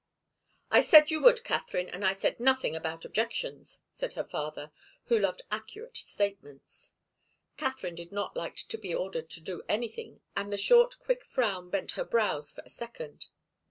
"I said you would, Katharine, and I said nothing about objections," said her father, who loved accurate statements. Katharine did not like to be ordered to do anything and the short, quick frown bent her brows for a second.